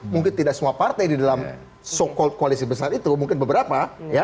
mungkin tidak semua partai di dalam so call koalisi besar itu mungkin beberapa